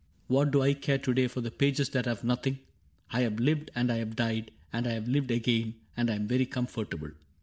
What do I care to day For the pages that have nothing ? I have lived. And I have died, and I have lived again ; And I am very comfortable.